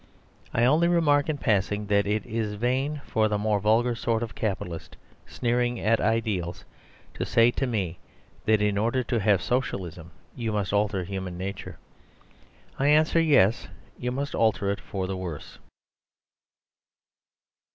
I only remark in passing that it is vain for the more vulgar sort of Capitalist, sneering at ideals, to say to me that in order to have Socialism "You must alter human nature." I answer "Yes. You must alter it for the worse."